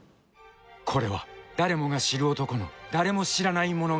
［これは誰もが知る男の誰も知らない物語］